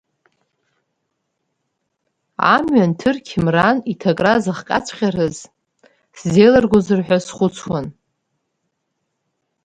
Амҩан Ҭырқь Мран иҭакра зыхҟьаҵәҟьарыз сзеилыргозар ҳәа схәыцуан.